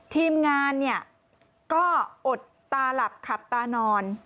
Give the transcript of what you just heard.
ทีมงานเนี่ยก็อดตาหลับขับตานอน